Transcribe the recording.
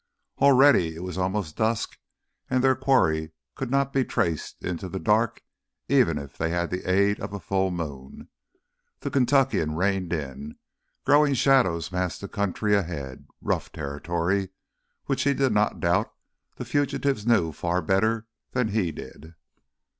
Already it was almost dusk and their quarry could not be traced into the dark, even if they had the aid of a full moon. The Kentuckian reined in. Growing shadows masked the country ahead—rough territory—which he did not doubt the fugitives knew far better than he did.